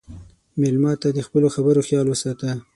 مېلمه ته د خپلو خبرو خیال وساته.